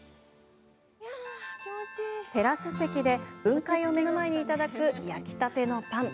テラス席で、雲海を目の前にいただく焼きたてのパン。